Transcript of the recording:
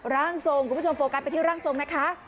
ร่างทรงคุณผู้ชมโฟกัสไปที่ร่างทรงนะคะ